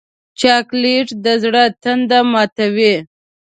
چاکلېټ د زړه تنده ماتوي.